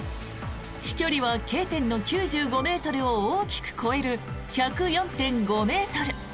飛距離はＫ点の９５ｍを大きく超える１０４．５ｍ。